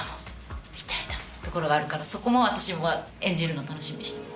みたいなところがあるからそこも私は演じるの楽しみにしてます。